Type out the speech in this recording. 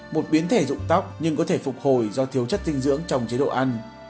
một biến thể dụng tóc nhưng có thể phục hồi do thiếu chất dinh dưỡng trong chế độ ăn